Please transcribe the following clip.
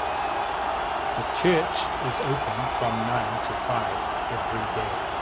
The church is open from nine to five every day.